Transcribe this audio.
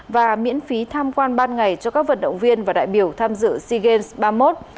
và miễn phí tham quan ban ngày cho các vận động viên và đại biểu tham dự sea games ba mươi một